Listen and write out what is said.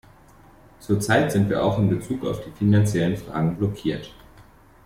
Zurzeit sind wir auch in Bezug auf die finanziellen Fragen blockiert.